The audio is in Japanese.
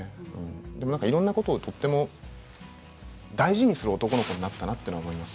でもいろんなことをとても大事にする男の子になったなと思います。